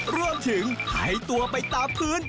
รวมถึงให้ตัวไปตามพื้น